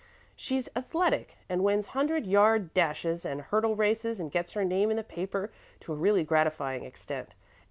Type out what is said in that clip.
She's athletic and wins hundred yard dashes and hurdle races, and gets her name in the paper to a really gratifying extent.